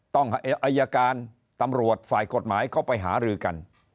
อายการตำรวจฝ่ายกฎหมายเข้าไปหารือกัน